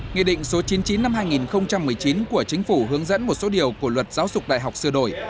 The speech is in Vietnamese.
nghị định số chín mươi chín năm hai nghìn một mươi chín của chính phủ hướng dẫn một số điều của luật giáo dục đại học sửa đổi